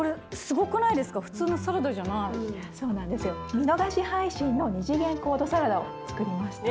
見逃し配信の２次元コードサラダを作りました。